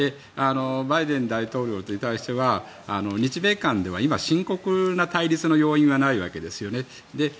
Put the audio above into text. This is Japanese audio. バイデン大統領に対しては日米韓では今、深刻な対立の要因はないわけですよね。